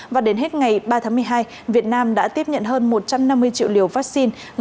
và đến hết ngày ba tháng một mươi hai việt nam đã tiếp nhận hơn một trăm năm mươi triệu liều vaccine